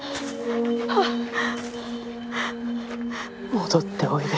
戻っておいで。